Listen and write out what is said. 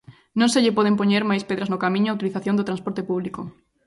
Non se lle poden poñer máis pedras no camiño á utilización do transporte público.